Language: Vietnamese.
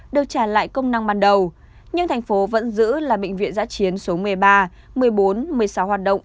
được trả lại công năng ban đầu nhưng thành phố vẫn giữ là bệnh viện giã chiến số một mươi ba một mươi bốn một mươi sáu hoạt động